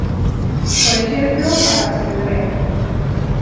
Por exemplo, a asemblea.